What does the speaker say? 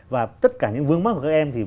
và tất cả những vướng mắt của các em